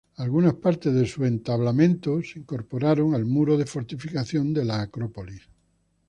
Algunas partes de su entablamento se incorporaron al muro de fortificación de la Acrópolis.